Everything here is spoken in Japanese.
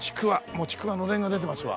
もうちくわ暖簾が出てますわ。